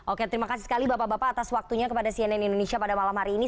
oke terima kasih sekali bapak bapak atas waktunya kepada cnn indonesia pada malam hari ini